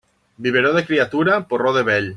Biberó de criatura, porró de vell.